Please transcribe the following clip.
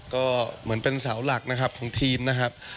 ก็เหมือนเป็นเสาหลักนะครับของทีมนะครับ